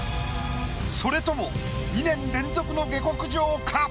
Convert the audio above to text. それとも２年連続の下剋上か？